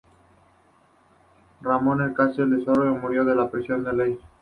Y Ramon de Castell Rosselló murió en la prisión del rey.